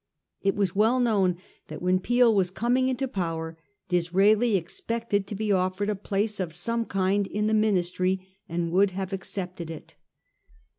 It was well known that when Peel was coming into power Disraeli expected to be offered a place of some kind in the Ministry, and would have accepted it.